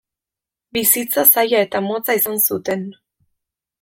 Bizitza zaila eta motza izan zuten.